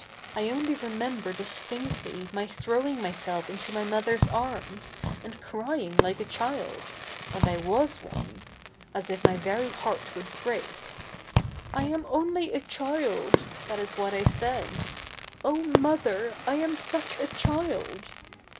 I only remember dis tinctly my throwing myself ijito my 7?iother's arms, and crying like a child — and 1 was one — as if my ve?y heart would break. '/ am only a child l^ that is zv hat I said. ' Oh, mother, I am such a child